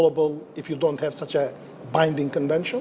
jika tidak ada konvensi yang berkaitan